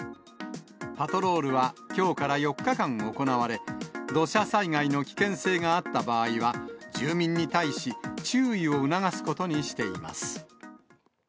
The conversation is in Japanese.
パトロールはきょうから４日間行われ、土砂災害の危険性があった場合は、住民に対し、注意を促すことにしています。